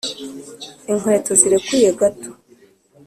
inkweto zirekuye gato.